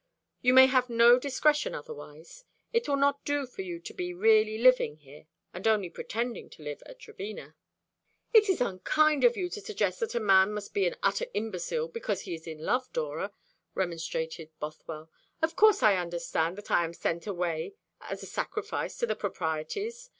You may have no discretion otherwise. It will not do for you to be really living here, and only pretending to live at Trevena." "It is unkind of you to suggest that a man must be an utter imbecile because he is in love, Dora," remonstrated Bothwell. "Of course I understand that I am sent away as a sacrifice to the proprieties.